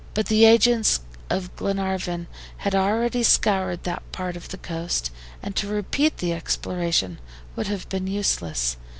But the agents of Glenarvan had already scoured that part of the coast, and to repeat the exploration would have been useless.